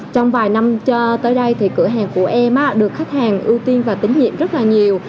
trong vài năm cho tới đây thì cửa hàng của em được khách hàng ưu tiên và tín nhiệm rất là nhiều